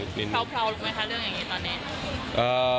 เขาเพราลงมั้ยคะเรื่องอย่างนี้ตอนนี้